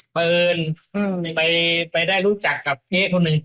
ปืนไปได้รู้จักกับพี่คนหนึ่ง